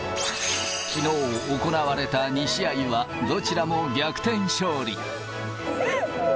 きのう行われた２試合はどちらも逆転勝利。